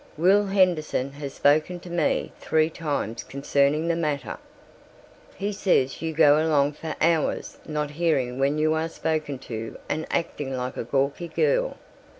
"Will Henderson has spoken to me three times concerning the matter. He says you go along for hours not hearing when you are spoken to and acting like a gawky girl.